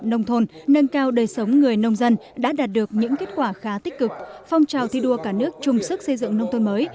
nông thôn nâng cao đời sống người nông dân đã đạt được những kết quả khá tích cực phong trào thi đua cả nước chung sức xây dựng nông thôn mới